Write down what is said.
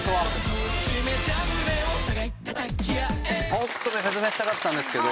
もっとね説明したかったんですけど。